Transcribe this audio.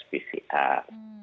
tepatnya itu adalah tes pcr